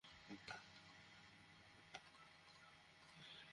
সবাই অপেক্ষা করছে।